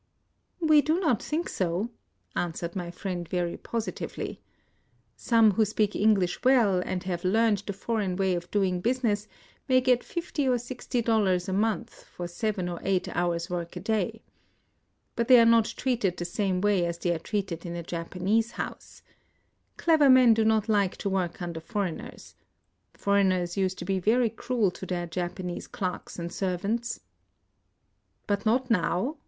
" We do not think so," answered my friend very positively. " Some who speak English well, and have learned the foreign way of doing business, may get fifty or sixty dollars a month for seven or eight hours' work a day. But they are not treated the same way as they are treated in a Japanese house. Clever men do not like to work under foreigners. Foreigners used to be very cruel to their Japanese clerks and servants." " But not now